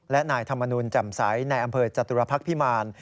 และนายธรรมนุนจำใสในอำเภอจตุรพักษ์พิมาร